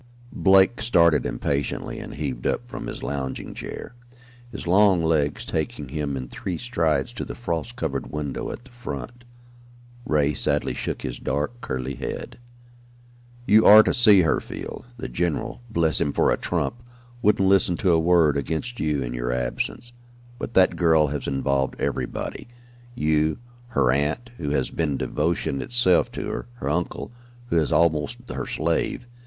Blake started impatiently and heaved up from his lounging chair, his long legs taking him in three strides to the frost covered window at the front. Ray sadly shook his dark, curly head. "You are to see her, Field. The general bless him for a trump! wouldn't listen to a word against you in your absence; but that girl has involved everybody you, her aunt, who has been devotion itself to her, her uncle, who was almost her slave.